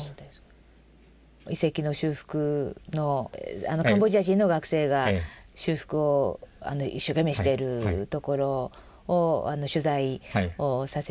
遺跡の修復のカンボジア人の学生が修復を一生懸命しているところを取材をさせて頂いたことがあって。